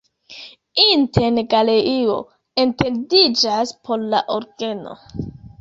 Interne galerio etendiĝas por la orgeno.